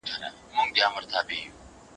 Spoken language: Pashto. چي وهل یې ولي وخوړل بېځایه